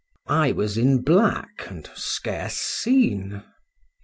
—I was in black, and scarce seen.